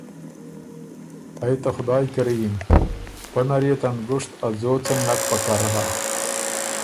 ائ ته خدایٛ کري یِن، پۀ نر يې ته نګُشت ا ځوڅن نک پکر هۀ۔